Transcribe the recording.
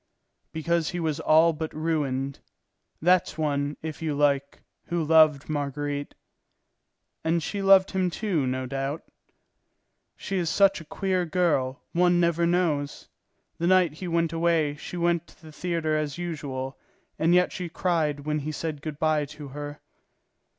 "Because he was all but ruined. That's one, if you like, who loved Marguerite." "And she loved him, too, no doubt?" "She is such a queer girl, one never knows. The night he went away she went to the theatre as usual, and yet she had cried when he said good bye to her."